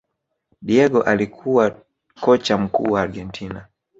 Diego alikuwa kocha mkuu wa Argentina